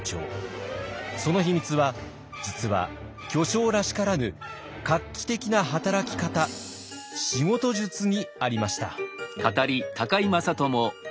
その秘密は実は巨匠らしからぬ画期的な働き方仕事術にありました。